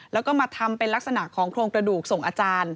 แล้วก็มาทำเป็นลักษณะของโครงกระดูกส่งอาจารย์